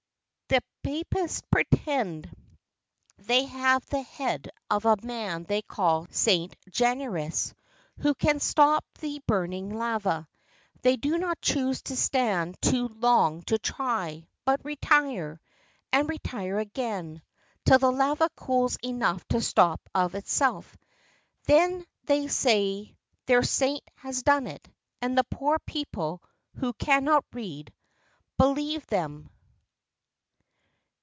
ITALY. 52 The papists pretend, they have the head of a man they call Saint Januarius, which can stop the burning lava. The\^ do not choose to stand too long to try ; but retire, and retire again ; till the lava cools enough to stop of itself; then they say their Saint has done it; and the poor people, who cannot read, believe them.